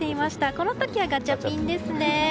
この時はガチャピンですね！